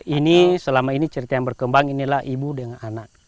ini selama ini cerita yang berkembang inilah ibu dengan anak